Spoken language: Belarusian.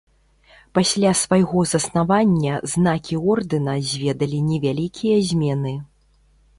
Пасля свайго заснавання знакі ордэна зведалі невялікія змены.